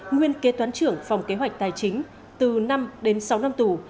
nguyên kế toán trưởng phòng kế hoạch tài chính từ năm đến sáu năm tù